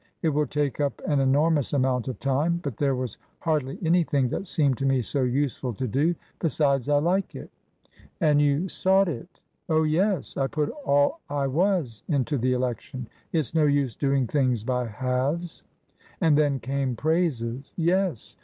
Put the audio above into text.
It will take up an enormous amount of time; but there was hardly anything that seemed to me so useful to do. Besides, I like it." " And you sought it ?"" Oh, yes. I put all I was into the election. It's no use doing things by halves." " And then came praises." " Yes.